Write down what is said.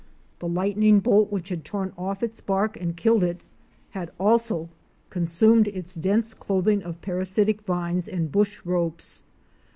The lightning bolt which had torn off its bark and killed it, had also consumed its dense clothing of parasitic vines and bush ropes.